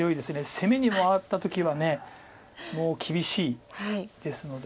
攻めに回った時はもう厳しいですので。